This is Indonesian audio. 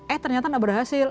eh ternyata tidak berhasil